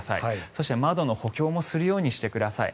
そして窓の補強もするようにしてください。